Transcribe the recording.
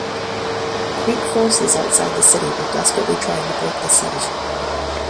Greek forces outside the city were desperately trying to break the siege.